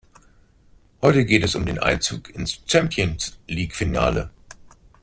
Heute geht es um den Einzug ins Champions-League-Finale.